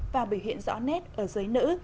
và biểu hiện rõ nét ở giới nữ